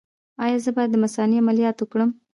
ایا زه باید د مثانې عملیات وکړم؟